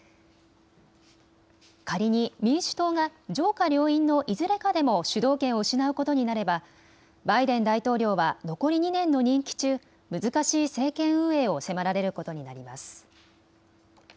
仮に民主党が上下両院のいずれかでも主導権を失うことになればバイデン大統領は残り２年の任期中、難しい政権運営を迫られることになります。